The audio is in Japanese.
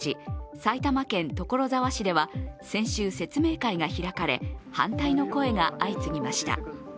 埼玉県所沢市では先週、説明会が開かれ、反対の声が相次ぎました。